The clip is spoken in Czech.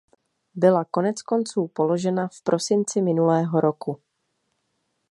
Byla koneckonců položena v prosinci minulého roku.